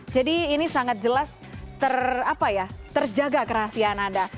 jadi ini sangat jelas terjaga kerahasiaan anda